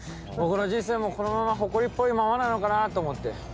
僕の人生もこのままホコリっぽいままなのかなと思って。